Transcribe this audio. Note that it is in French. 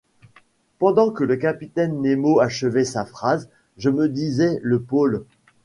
Pendant que le capitaine Nemo achevait sa phrase, je me disais :« Le pôle !